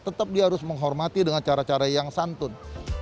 tetap dia harus menghormati dengan cara cara yang santun